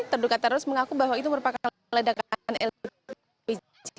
terduga teroris mengaku bahwa itu merupakan ledakan lpg